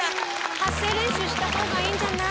発声練習した方がいいんじゃない？